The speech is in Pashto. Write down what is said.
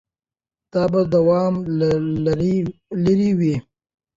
دا به دوام لرلی وي.